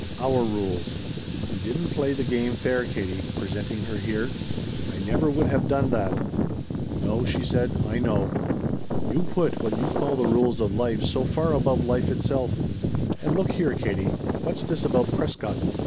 "Our rules. You didn't play the game fair, Katie presenting her here. I never would have done that." "No," she said, "I know. You put what you call the rules of life so far above life itself." "And look here, Katie, what's this about Prescott?